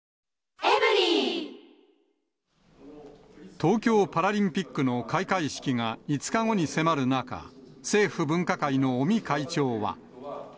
東京パラリンピックの開会式が５日後に迫る中、政府分科会の尾身会長は。